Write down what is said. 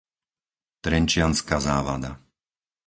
Trenčianska Závada